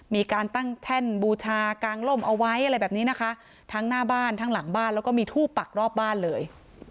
มีการตั้งแท่นบูชากางล่มเอาไว้อะไรแบบนี้นะคะทั้งหน้าบ้านทั้งหลังบ้านแล้วก็มีทูบปักรอบบ้านเลย